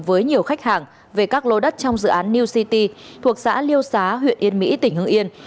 với nhiều khách hàng về các lô đất trong dự án new city thuộc xã liêu xá huyện yên mỹ tỉnh hưng yên